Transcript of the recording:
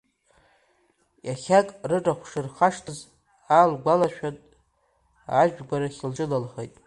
Иахьак рырахә шырхашҭыз аалгәалашәан, ажәгәарахь лҿыналхеит.